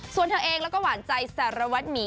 ส่วนเธอเองแล้วก็หวานใจสารวัตรหมี